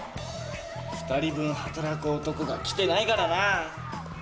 ２人分働く男が来てないからな。